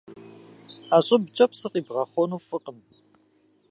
Ӏэ щӏыбкӏэ псы къибгъэхъуэну фӏыкъым.